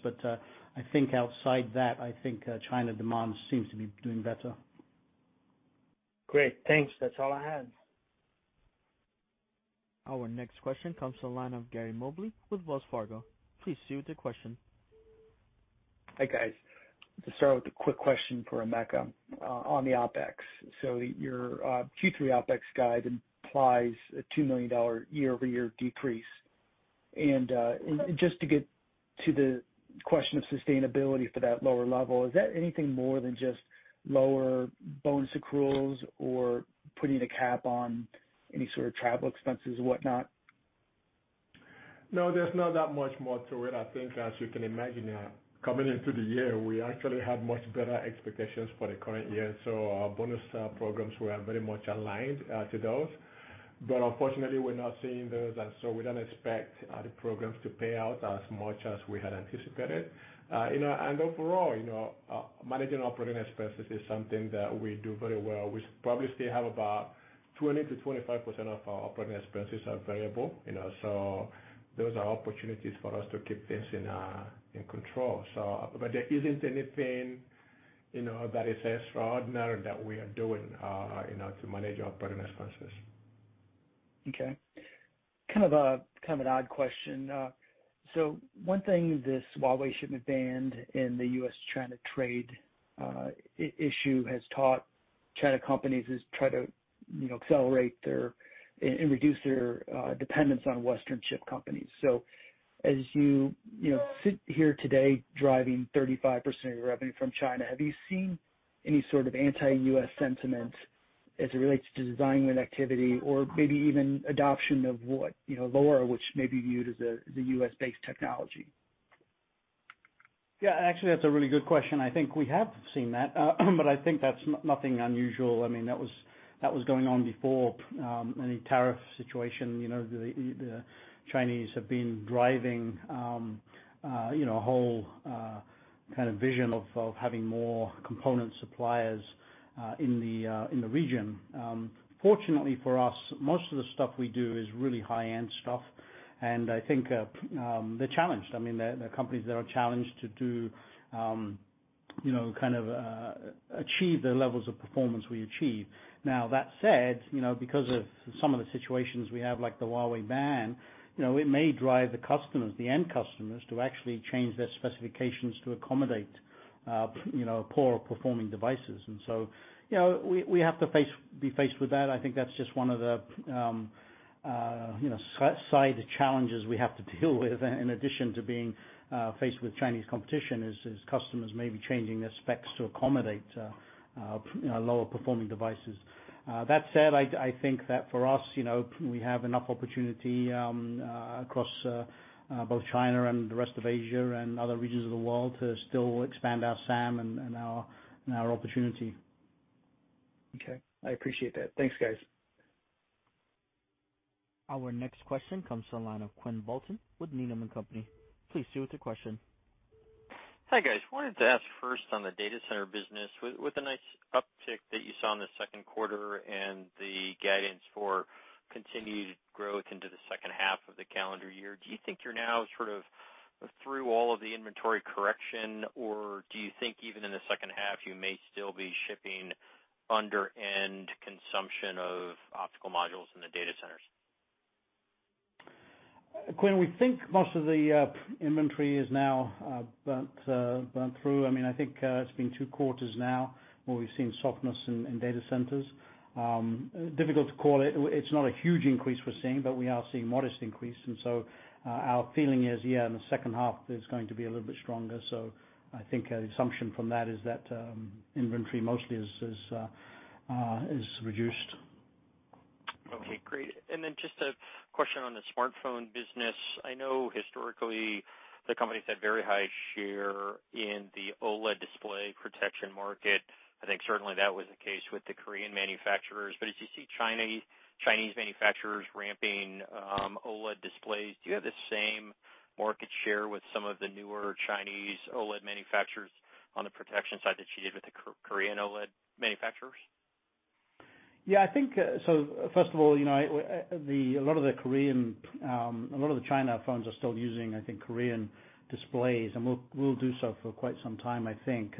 I think outside that, I think China demand seems to be doing better. Great. Thanks. That's all I had. Our next question comes to the line of Gary Mobley with Wells Fargo. Please proceed with your question. Hi, guys. To start with a quick question for Emeka on the OpEx. Your Q3 OpEx guide implies a $2 million year-over-year decrease. Just to get to the question of sustainability for that lower level, is that anything more than just lower bonus accruals or putting a cap on any sort of travel expenses and whatnot? No, there's not that much more to it. I think as you can imagine, coming into the year, we actually had much better expectations for the current year. Our bonus programs were very much aligned to those. Unfortunately, we're not seeing those, we don't expect the programs to pay out as much as we had anticipated. Overall, managing operating expenses is something that we do very well. We probably still have about 20%-25% of our operating expenses are variable. Those are opportunities for us to keep this in control. There isn't anything that is extraordinary that we are doing to manage operating expenses. Okay. Kind of an odd question. One thing this Huawei shipment ban and the U.S.-China trade issue has taught China companies is try to accelerate and reduce their dependence on Western chip companies. As you sit here today driving 35% of your revenue from China, have you seen any sort of anti-U.S. sentiment as it relates to design win activity or maybe even adoption of what LoRa, which may be viewed as a U.S.-based technology? Yeah, actually, that's a really good question. I think we have seen that. I think that's nothing unusual. That was going on before any tariff situation. The Chinese have been driving a whole kind of vision of having more component suppliers in the region. Fortunately for us, most of the stuff we do is really high-end stuff, and I think they're challenged. There are companies that are challenged to kind of achieve the levels of performance we achieve. Now, that said, because of some of the situations we have, like the Huawei ban, it may drive the end customers to actually change their specifications to accommodate poorer performing devices. We have to be faced with that. I think that's just one of the side challenges we have to deal with in addition to being faced with Chinese competition, is customers may be changing their specs to accommodate lower performing devices. That said, I think that for us, we have enough opportunity across both China and the rest of Asia and other regions of the world to still expand our SAM and our opportunity. Okay. I appreciate that. Thanks, guys. Our next question comes from the line of Quinn Bolton with Needham & Company. Please proceed with your question. Hi, guys. I wanted to ask first on the data center business, with the nice uptick that you saw in the second quarter and the guidance for continued growth into the second half of the calendar year, do you think you're now sort of through all of the inventory correction, or do you think even in the second half, you may still be shipping under end consumption of optical modules in the data centers? Quinn, we think most of the inventory is now burnt through. I think it's been two quarters now where we've seen softness in data centers. Difficult to call it. It's not a huge increase we're seeing, but we are seeing modest increase. Our feeling is, yeah, in the second half, it's going to be a little bit stronger. I think an assumption from that is that inventory mostly is reduced. Okay, great. Just a question on the smartphone business. I know historically the company's had very high share in the OLED display protection market. I think certainly that was the case with the Korean manufacturers. As you see Chinese manufacturers ramping OLED displays, do you have the same market share with some of the newer Chinese OLED manufacturers on the protection side that you did with the Korean OLED manufacturers? First of all, a lot of the China phones are still using, I think, Korean displays, and will do so for quite some time, I think.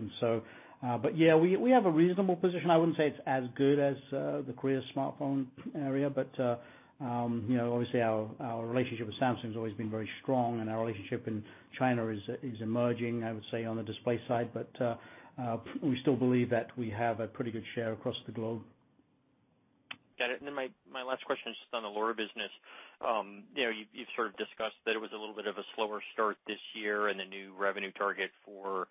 We have a reasonable position. I wouldn't say it's as good as the Korea smartphone area. Obviously our relationship with Samsung has always been very strong, and our relationship in China is emerging, I would say, on the display side. We still believe that we have a pretty good share across the globe. Got it. My last question is just on the LoRa business. You've sort of discussed that it was a little bit of a slower start this year and the new revenue target for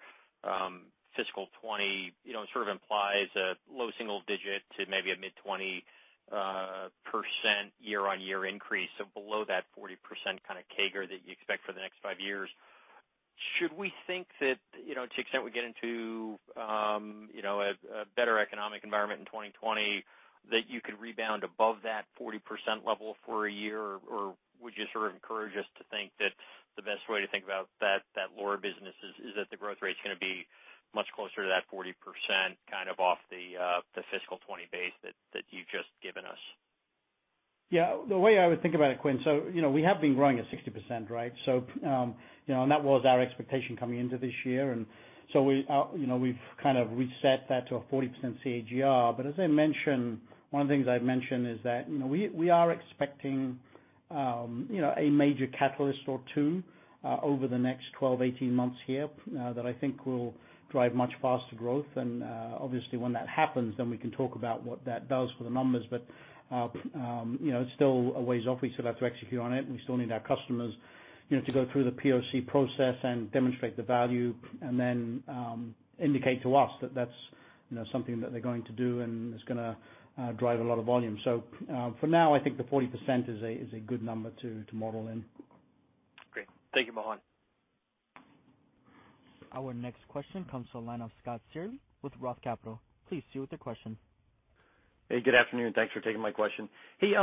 fiscal 2020. It sort of implies a low single digit to maybe a mid-20% year-on-year increase. Below that 40% kind of CAGR that you expect for the next five years. Should we think that, to the extent we get into a better economic environment in 2020, that you could rebound above that 40% level for a year? Would you sort of encourage us to think that the best way to think about that LoRa business is that the growth rate's gonna be much closer to that 40% kind of off the fiscal 2020 base that you've just given us? Yeah. The way I would think about it, Quinn, we have been growing at 60%, right? That was our expectation coming into this year. We've kind of reset that to a 40% CAGR. As I mentioned, one of the things I've mentioned is that, we are expecting a major catalyst or two over the next 12, 18 months here, that I think will drive much faster growth. Obviously when that happens, then we can talk about what that does for the numbers. It's still a ways off. We still have to execute on it, and we still need our customers to go through the POC process and demonstrate the value and then indicate to us that that's something that they're going to do and is going to drive a lot of volume. For now, I think the 40% is a good number to model in. Great. Thank you, Mohan. Our next question comes from the line of Scott Searle with Roth Capital. Please, sir, with your question. Hey, good afternoon. Thanks for taking my question. Hey,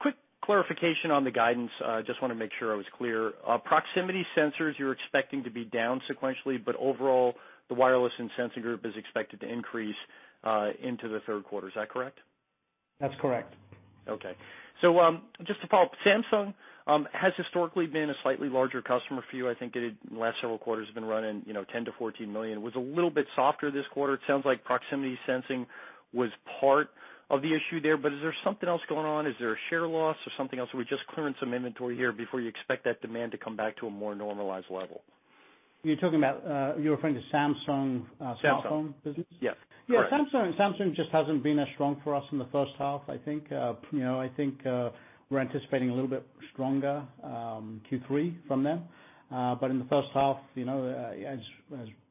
quick clarification on the guidance. Just want to make sure I was clear. Proximity sensors you're expecting to be down sequentially, but overall, the wireless and sensing group is expected to increase into the third quarter. Is that correct? That's correct. Just to follow up, Samsung has historically been a slightly larger customer for you. I think in the last several quarters have been running $10 million-$14 million, was a little bit softer this quarter. It sounds like proximity sensing was part of the issue there, but is there something else going on? Is there a share loss or something else? Or are we just clearing some inventory here before you expect that demand to come back to a more normalized level? You're referring to Samsung smartphone business? Samsung. Yes, correct. Yeah, Samsung just hasn't been as strong for us in the first half. I think we're anticipating a little bit stronger Q3 from them. In the first half, as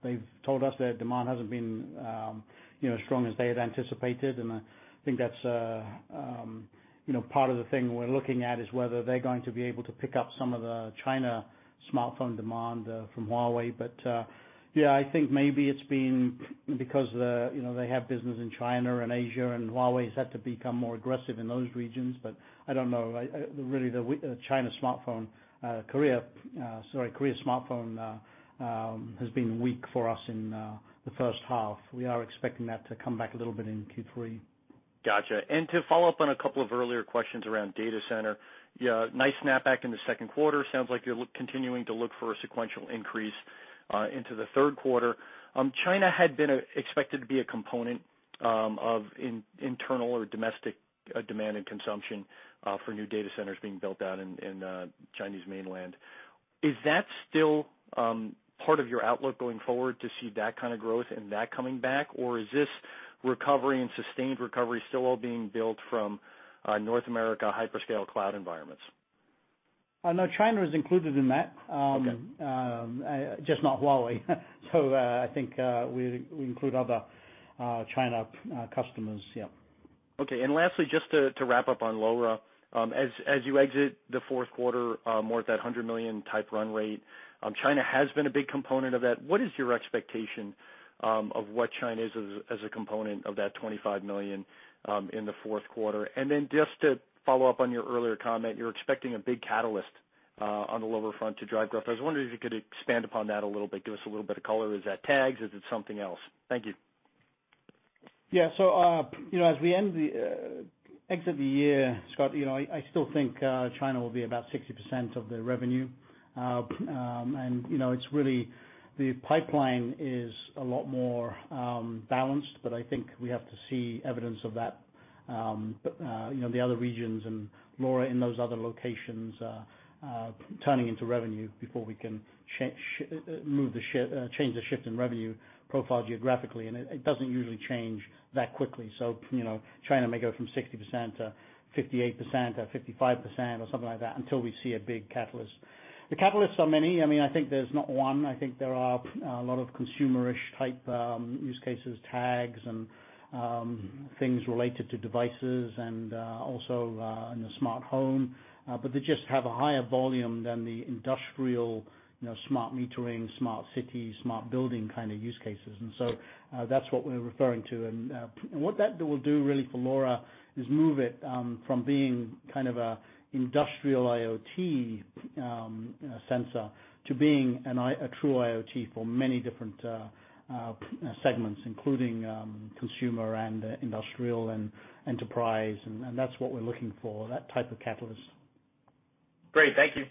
they've told us, their demand hasn't been as strong as they had anticipated. I think that's part of the thing we're looking at is whether they're going to be able to pick up some of the China smartphone demand from Huawei. Yeah, I think maybe it's been because they have business in China and Asia, and Huawei's had to become more aggressive in those regions. I don't know. Really the Korea smartphone has been weak for us in the first half. We are expecting that to come back a little bit in Q3. Got you. To follow up on a couple of earlier questions around data center. Yeah, nice snapback in the second quarter. Sounds like you're continuing to look for a sequential increase into the third quarter. China had been expected to be a component of internal or domestic demand and consumption for new data centers being built out in Chinese mainland. Is that still part of your outlook going forward to see that kind of growth and that coming back? Is this recovery and sustained recovery still all being built from North America hyperscale cloud environments? No, China is included in that. Okay. Just not Huawei. I think, we include other China customers, yeah. Okay, lastly, just to wrap up on LoRa. As you exit the fourth quarter, more at that $100 million type run rate. China has been a big component of that. What is your expectation of what China is as a component of that $25 million in the fourth quarter? Then just to follow up on your earlier comment, you're expecting a big catalyst on the LoRa front to drive growth. I was wondering if you could expand upon that a little bit, give us a little bit of color. Is that tags? Is it something else? Thank you. Yeah. As we exit the year, Scott, I still think China will be about 60% of the revenue. The pipeline is a lot more balanced, but I think we have to see evidence of that, the other regions and LoRa in those other locations turning into revenue before we can change the shift in revenue profile geographically. It doesn't usually change that quickly. China may go from 60% to 58% or 55% or something like that until we see a big catalyst. The catalysts are many. I think there's not one. I think there are a lot of consumerish type use cases, tags and things related to devices and also in a smart home. They just have a higher volume than the industrial smart metering, smart city, smart building kind of use cases. That's what we're referring to. What that will do really for LoRa is move it from being kind of a industrial IoT sensor to being a true IoT for many different segments, including consumer and industrial and enterprise. That's what we're looking for, that type of catalyst. Great. Thank you.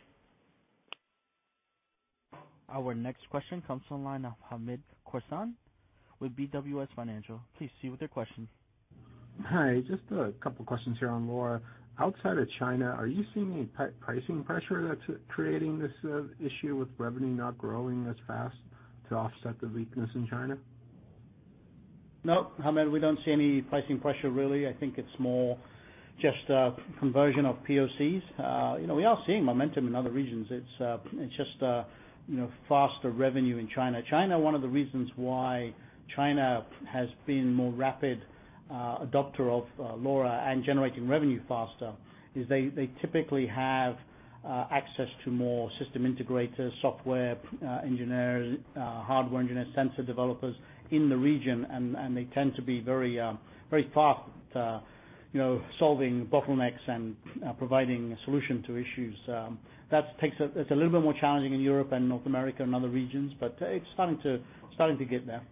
Our next question comes from the line of Hamed Khorsand with BWS Financial. Please, sir, with your question. Hi, just a couple of questions here on LoRa. Outside of China, are you seeing any pricing pressure that's creating this issue with revenue not growing as fast to offset the weakness in China? No, Hamed, we don't see any pricing pressure really. I think it's more just a conversion of POCs. We are seeing momentum in other regions. It's just faster revenue in China. One of the reasons why China has been more rapid adopter of LoRa and generating revenue faster is they typically have access to more system integrators, software engineers, hardware engineers, sensor developers in the region, and they tend to be very fast at solving bottlenecks and providing a solution to issues. It's a little bit more challenging in Europe and North America and other regions, but it's starting to get there.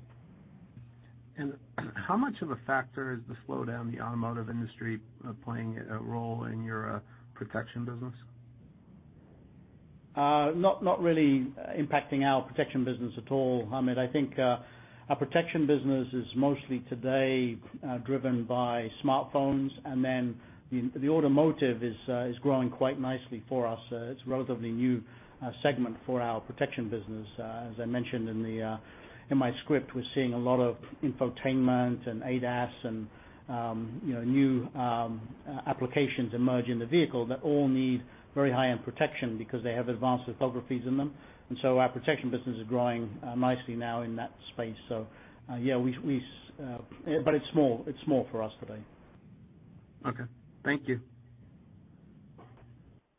How much of a factor is the slowdown in the automotive industry playing a role in your protection business? Not really impacting our protection business at all, Hamed. I think our protection business is mostly today driven by smartphones, and then the automotive is growing quite nicely for us. It's a relatively new segment for our protection business. As I mentioned in my script, we're seeing a lot of infotainment and ADAS and new applications emerge in the vehicle that all need very high-end protection because they have advanced architectures in them. Our protection business is growing nicely now in that space. It's small for us today. Okay. Thank you.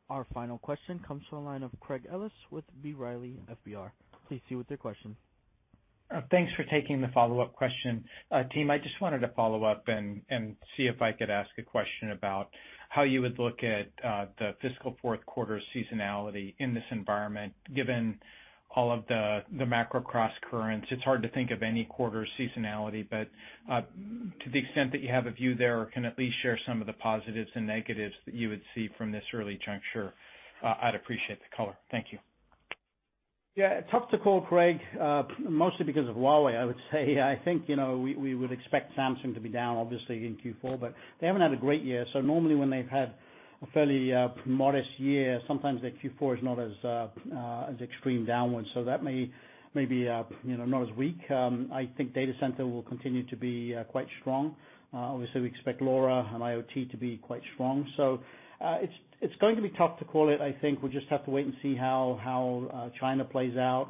Our final question comes from the line of Craig Ellis with B. Riley FBR. Please proceed with your question. Thanks for taking the follow-up question. Team, I just wanted to follow up and see if I could ask a question about how you would look at the fiscal fourth quarter seasonality in this environment, given all of the macro crosscurrents. It's hard to think of any quarter seasonality, but to the extent that you have a view there or can at least share some of the positives and negatives that you would see from this early juncture, I'd appreciate the color. Thank you. Tough to call, Craig. Mostly because of Huawei, I would say. I think, we would expect Samsung to be down obviously in Q4, but they haven't had a great year. Normally when they've had a fairly modest year, sometimes their Q4 is not as extreme downward, so that may be not as weak. I think data center will continue to be quite strong. Obviously, we expect LoRa and IoT to be quite strong. It's going to be tough to call it. I think we'll just have to wait and see how China plays out.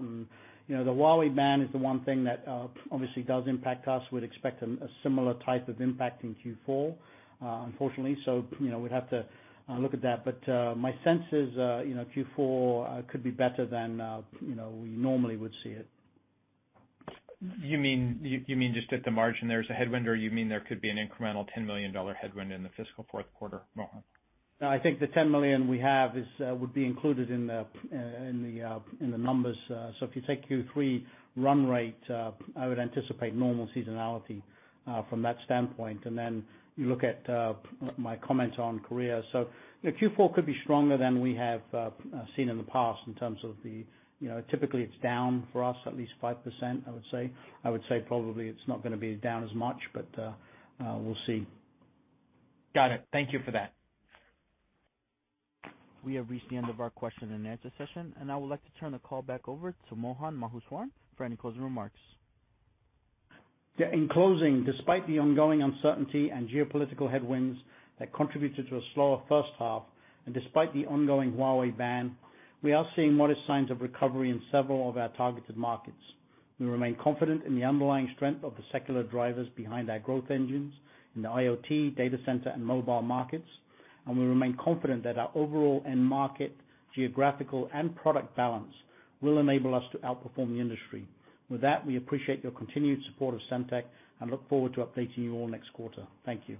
The Huawei ban is the one thing that obviously does impact us. We'd expect a similar type of impact in Q4, unfortunately. We'd have to look at that. My sense is Q4 could be better than we normally would see it. You mean just at the margin there's a headwind, or you mean there could be an incremental $10 million headwind in the fiscal fourth quarter, Mohan? I think the $10 million we have would be included in the numbers. If you take Q3 run rate, I would anticipate normal seasonality from that standpoint. Then you look at my comments on Korea. Q4 could be stronger than we have seen in the past in terms of typically it's down for us at least 5%, I would say. Probably it's not gonna be down as much, but we'll see. Got it. Thank you for that. We have reached the end of our question and answer session, and I would like to turn the call back over to Mohan Maheswaran for any closing remarks. In closing, despite the ongoing uncertainty and geopolitical headwinds that contributed to a slower first half, and despite the ongoing Huawei ban, we are seeing modest signs of recovery in several of our targeted markets. We remain confident in the underlying strength of the secular drivers behind our growth engines in the IoT, data center, and mobile markets. We remain confident that our overall end market, geographical, and product balance will enable us to outperform the industry. With that, we appreciate your continued support of Semtech and look forward to updating you all next quarter. Thank you.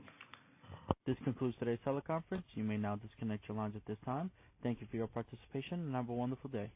This concludes today's teleconference. You may now disconnect your lines at this time. Thank you for your participation, and have a wonderful day.